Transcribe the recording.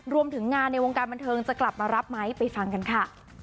รวมถึงงานในวงการบันเทิงจะกลับมารับไหมไปฟังกันค่ะ